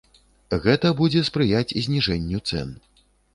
Гэта будзе спрыяць зніжэнню цэн.